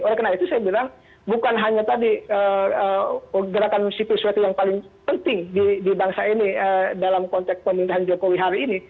oleh karena itu saya bilang bukan hanya tadi gerakan sipil sesuatu yang paling penting di bangsa ini dalam konteks pemindahan jokowi hari ini